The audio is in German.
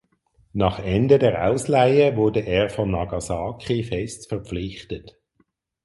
Nach Ende der Ausleihe wurde er von Nagasaki fest verpflichtet.